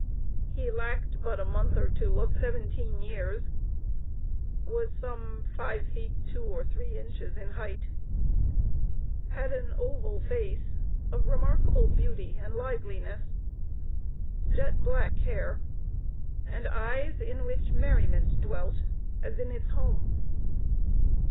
He lacked but a month or two of seventeen years, was some five feet two or three inches in height, had an oval face of remarkable beauty and liveliness, jet black hair, and eyes in which merriment dwelt as in its home.